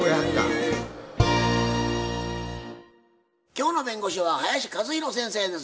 今日の弁護士は林一弘先生です。